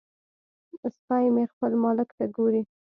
سپی مې خپل مالک ته ګوري.